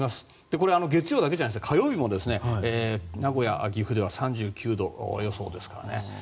これは月曜日だけじゃなく火曜日も名古屋、岐阜では３９度予想ですからね。